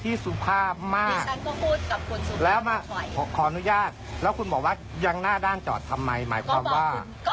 ที่คุณขออนุญาตดิฉันบอกว่าไม่อนุญาตทำไมคุณยังคงมา